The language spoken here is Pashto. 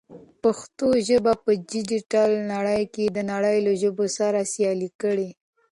پښتو ژبه په ډیجیټل نړۍ کې د نړۍ له ژبو سره سیاله کړئ.